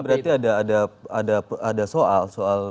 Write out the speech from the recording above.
berarti ada soal